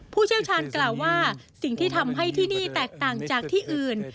ผู้เชี่ยวชาญกล่าวว่าสิ่งที่ทำให้ที่นี่แตกต่างจากที่อื่น